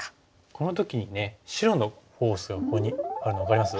この時にね白のフォースがここにあるの分かります？